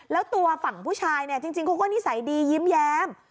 แล้วตัวฝั่งผู้ชายเนี่ยจริงเขาก็นิสัยดียิ้มแย้ม